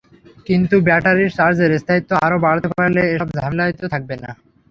কিন্তু ব্যাটারির চার্জের স্থায়িত্ব আরও বাড়াতে পারলে এসব ঝামেলাই তো থাকবে না।